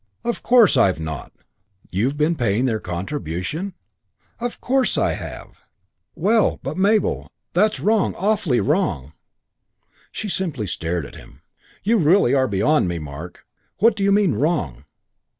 "Of course I've not." "You've been paying their contribution?" "Of course I have." "Well, but Mabel, that's wrong, awfully wrong." She simply stared at him. "You really are beyond me, Mark. What do you mean 'wrong'?"